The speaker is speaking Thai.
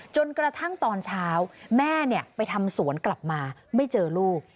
จนกระทั่งตอนเช้าแม่ไปทำสวนกลับมาไม่เจอลูก